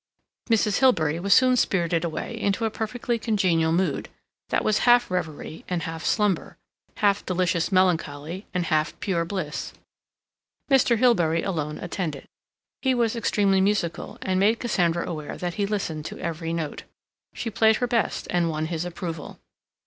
Mrs. Hilbery was soon spirited away into a perfectly congenial mood, that was half reverie and half slumber, half delicious melancholy and half pure bliss. Mr. Hilbery alone attended. He was extremely musical, and made Cassandra aware that he listened to every note. She played her best, and won his approval.